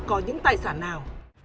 có những tài sản nào